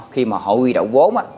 khi mà họ quy đậu vốn